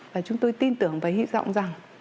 và chúng tôi tin tưởng và hy vọng rằng